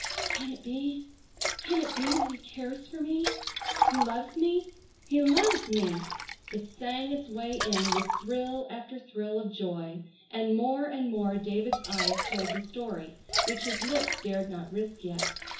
"Can it be, can it be that he cares for me? He loves me. He loves me!" It sang its way in with thrill after thrill of joy and more and more David's eyes told the story which his lips dared not risk yet.